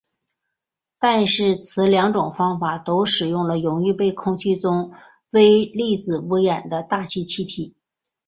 但是此两种方法都使用了容易被空气中微粒子污染的大气气体。